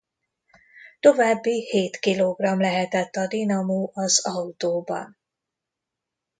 További hét kilogramm lehetett a dinamó az autóban.